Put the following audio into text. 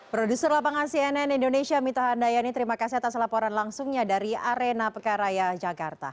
produser lapangan cnn indonesia mita handayani terima kasih atas laporan langsungnya dari arena pekaraya jakarta